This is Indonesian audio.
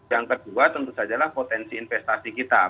yang kedua tentu saja lah potensi investasi kita